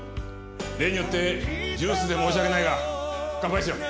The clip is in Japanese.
例によってジュースで申し訳ないが乾杯しよう。